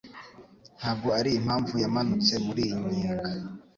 Ntabwo ari impamvu yamanutse muri iyi nyenga